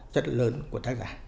rất là lớn của tác giả